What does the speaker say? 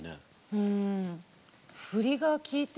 うん。